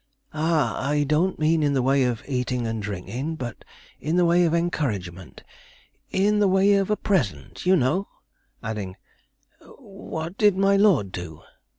'Ah, I don't mean in the way of eating and drinking, but in the way of encouragement in the way of a present, you know?' adding 'What did my lord do?'